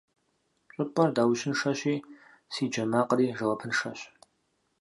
ЩӀыпӀэр даущыншэщи, си джэ макъри жэуапыншэщ.